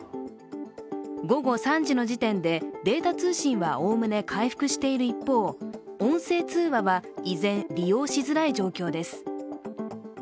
午後３時の時点で、データ通信はおおむね回復しいる一方、音声通話は依然、利用しづらい状況です。